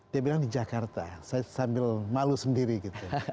dia bilang di jakarta saya sambil malu sendiri gitu